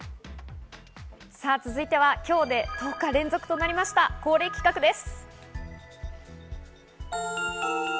続いては今日で１０日連続となりました恒例企画です。